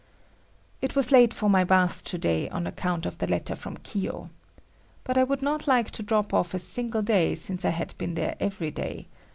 I was late for my bath to day on account of the letter from Kiyo. But I would not like to drop off a single day since I had been there everyday.